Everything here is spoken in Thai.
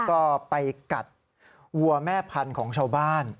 ก็ไปกัดวัวแม่พันธุ์ของชาวบ้าน